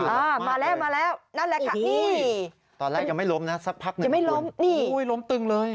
มีไม้อยู่มากเลยโอ้โฮ้ยตอนแรกยังไม่ล้มนะสักพักนึงคุณโอ้โฮ้ยล้มตึงเลย